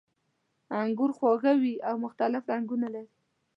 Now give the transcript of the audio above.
انګور خواږه وي او مختلف رنګونه لري.